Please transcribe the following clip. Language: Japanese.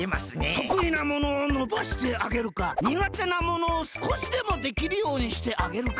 とくいなものをのばしてあげるかにがてなものをすこしでもできるようにしてあげるか。